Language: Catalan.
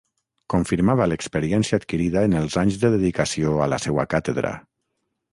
Confirmava l’experiència adquirida en els anys de dedicació a la seua càtedra...